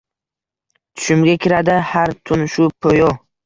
Tushimga kiradi har tun shu po‘yo